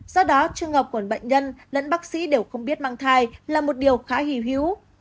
do đó trường hợp của bệnh nhân lẫn bác sĩ đều không biết mang thai là một điều khá hì hữu